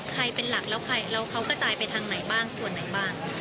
เป็นหลักแล้วเขากระจายไปทางไหนบ้างส่วนไหนบ้าง